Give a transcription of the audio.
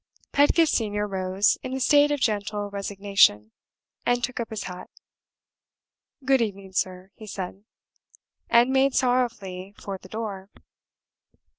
Pedgift Senior rose in a state of gentle resignation, and took up his hat "Good evening, sir," he said, and made sorrowfully for the door.